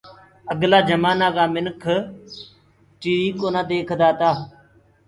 اگلآ جمآنآ ڪآ منک ٽي وي ڪونآ ديکدآ تآ۔